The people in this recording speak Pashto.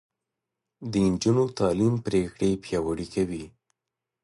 د نجونو تعليم پرېکړې پياوړې کوي.